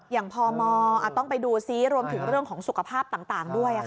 พมต้องไปดูซิรวมถึงเรื่องของสุขภาพต่างด้วย